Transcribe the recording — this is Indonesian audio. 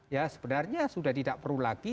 ya sebenarnya sudah tidak perlu lagi